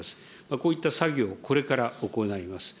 こういった作業、これから行います。